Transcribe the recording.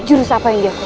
jurus apa yang diakukan